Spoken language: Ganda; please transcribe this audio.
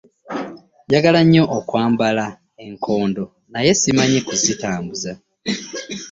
Njagala nnyo okwambala enkondo naye simanyi kuzitambuuza.